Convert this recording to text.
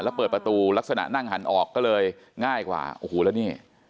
แล้วเปิดประตูลักษณะนั่งหันออกก็เลยง่ายกว่าโอ้โหแล้วนี่